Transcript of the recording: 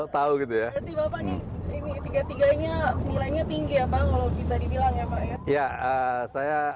berarti bapak ini tiga tiganya nilainya tinggi ya pak kalau bisa dibilang ya pak